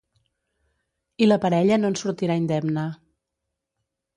I la parella no en sortirà indemne.